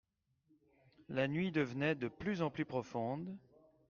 La nuit devenait de plus en plus profonde.